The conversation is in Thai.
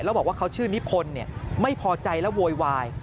แล้วบอกว่าเขาชื่อนิพนธ์ไม่พอใจและโวยวาย